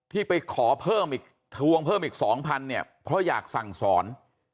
ที่ไปขอเพิ่มอีกทวงเพิ่มอีก๒๐๐เนี่ยเพราะอยากสั่งสอน